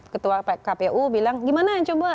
ketua kpu bilang gimana coba